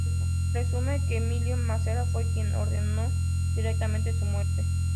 Se presume que Emilio Massera fue quien ordenó directamente su muerte.